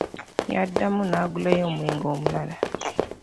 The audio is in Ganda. Yaddamu n'agulayo omwenge omulala.